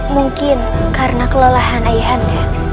mungkin karena kelelahan ayahanda